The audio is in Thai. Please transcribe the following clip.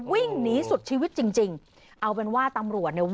วิ่งหนีสุดชีวิตจริงจริงเอาเป็นว่าตำรวจเนี่ย